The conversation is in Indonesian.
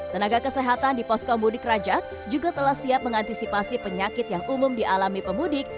tenaga kesehatan di poskomudik raja juga telah siap mengantisipasi penyakit yang umum dialami pemudik